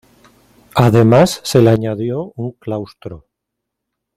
Además, se le añadió un claustro.